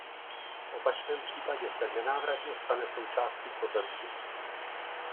V opačném případě se nenávratně stane součástí pozemku.